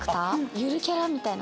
ゆるキャラみたいな。